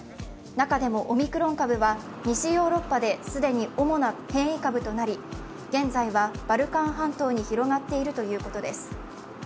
中でもオミクロン株は西ヨーロッパで既に主な変異株となり現在はバルカン半島に広がっているということです。